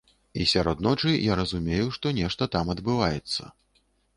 І сярод ночы я разумею, што нешта там адбываецца.